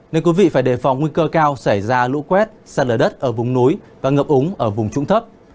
nên quý vị phải đề phòng nguy cơ cao xảy ra lũ quét sạt lở đất ở vùng núi và ngập úng ở vùng trũng thấp